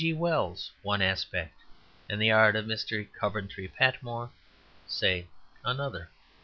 G. Wells one aspect, and the art of Mr. Coventry Patmore (say) another.